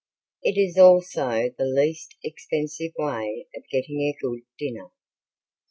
It is also the least expensive way of getting a good dinner.